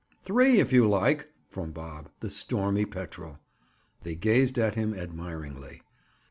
"Three, if you like!" from Bob, the stormy petrel. They gazed at him admiringly.